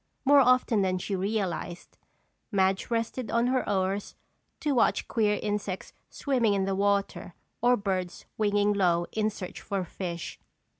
More often than she realized, Madge rested on her oars to watch queer insects swimming in the water or birds winging low in search for fish.